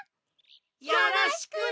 よろしくね！